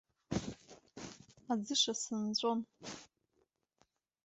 Аӡыша сынҵәон.